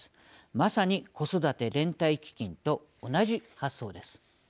まさに子育て連帯基金と同じ発想です。